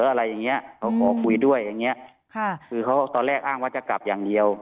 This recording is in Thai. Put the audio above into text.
อะไรอย่างเงี้ยเขาขอคุยด้วยอย่างเงี้ยค่ะคือเขาตอนแรกอ้างว่าจะกลับอย่างเดียว